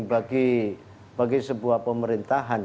bagi sebuah pemerintahan